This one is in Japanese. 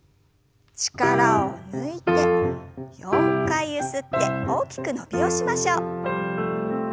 力を抜いて４回ゆすって大きく伸びをしましょう。